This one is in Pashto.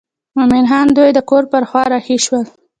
مومن خان دوی د کور پر خوا رهي شول.